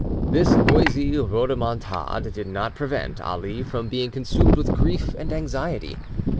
This noisy rhodomontade did not prevent Ali from being consumed with grief and anxiety.